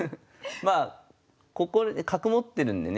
まあ角持ってるんでね